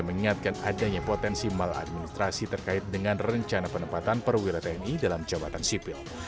mengingatkan adanya potensi maladministrasi terkait dengan rencana penempatan perwira tni dalam jabatan sipil